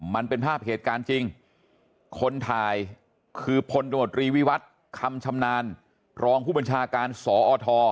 มันเป็นภาพเหตุการณ์จริงคนถ่ายคือพลตมตรีวิวัตรคำชำนาญรองผู้บัญชาการสอท